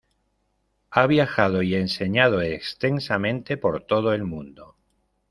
Ha viajado y enseñado extensamente por todo el mundo.